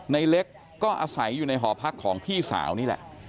ในเล็กก็อาศัยอยู่ในหอพักของพี่สาวนี่แหละ